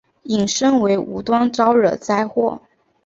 引申为无端招惹灾祸。